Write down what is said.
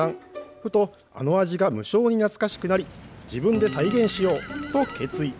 ふとあの味が無性に懐かしくなり自分で再現しようと決意。